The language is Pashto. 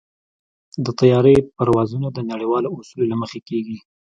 د طیارې پروازونه د نړیوالو اصولو له مخې کېږي.